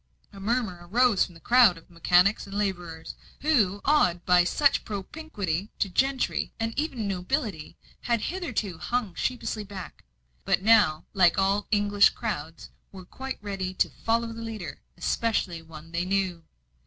A murmur arose from the crowd of mechanics and labourers, who, awed by such propinquity to gentry and even nobility, had hitherto hung sheepishly back; but now, like all English crowds, were quite ready to "follow the leader," especially one they knew.